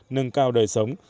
nâng cao đời sống